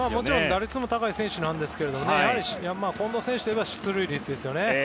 打率も高い選手ですが近藤選手といえば出塁率ですよね。